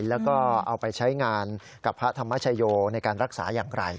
แล้วก็เอาไปใช้งานกับพระธรรมชโยในการรักษาอย่างไร